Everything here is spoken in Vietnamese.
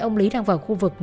ông lý đang vào khu vực